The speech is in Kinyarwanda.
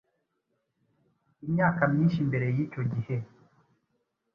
Imyaka myinshi mbere y’icyo gihe,